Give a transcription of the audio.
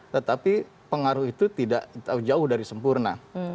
tetapi pengaruh itu tidak jauh dari sempurna